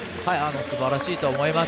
すばらしいと思います。